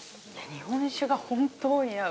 ◆日本酒が本当に合う。